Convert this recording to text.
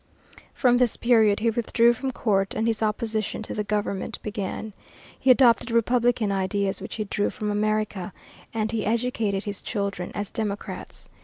From this period he withdrew from court and his opposition to the government began. He adopted republican ideas, which he drew from America, and he educated his children as democrats.